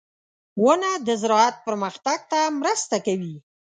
• ونه د زراعت پرمختګ ته مرسته کوي.